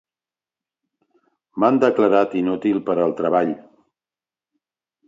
M'han declarat inútil per al treball.